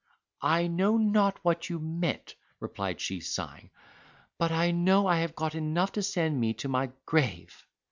"I know not what you meant," replied she, sighing, "but I know I have got enough to send me to my grave."